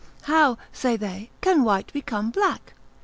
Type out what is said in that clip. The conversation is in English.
How (say they) can white become black?